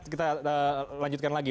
oke kita lanjutkan lagi